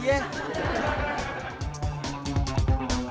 tidak ada yang bisa dikunci